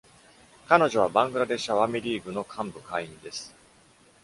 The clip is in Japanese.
彼女はバングラデシュアワミリーグの幹部会員です。